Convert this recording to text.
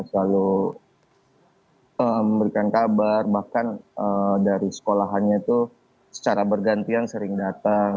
selalu memberikan kabar bahkan dari sekolahannya itu secara bergantian sering datang